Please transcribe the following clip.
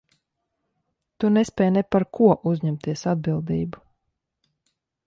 Tu nespēj ne par ko uzņemties atbildību.